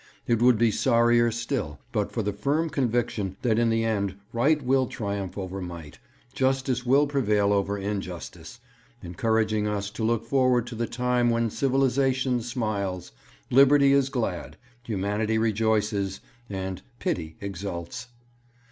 It would be sorrier still but for the firm conviction that in the end right will triumph over might, justice will prevail over injustice, encouraging us to look forward to the time when 'Civilization smiles; Liberty is glad; Humanity rejoices; and Pity exults.'